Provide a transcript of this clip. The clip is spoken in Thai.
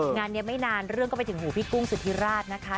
งานนี้ไม่นานเรื่องก็ไปถึงหูพี่กุ้งสุธิราชนะคะ